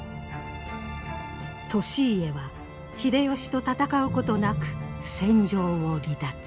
利家は秀吉と戦うことなく戦場を離脱。